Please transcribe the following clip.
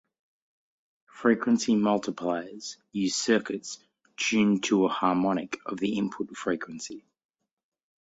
Frequency multipliers use circuits tuned to a harmonic of the input frequency.